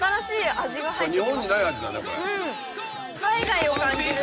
海外を感じる。